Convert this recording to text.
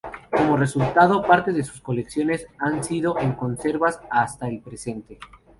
Como resultado, partes de sus colecciones han sido en conservas hasta el presente.